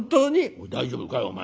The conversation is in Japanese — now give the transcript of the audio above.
「おい大丈夫かいお前。